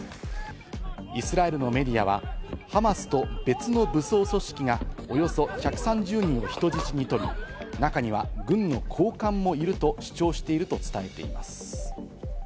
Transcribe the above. イスラエルのメディアはハマスと別の武装組織がおよそ１３０人を人質に取り、中には軍の高官もいると主張していると伝えています。